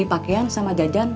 itu makin dimatiin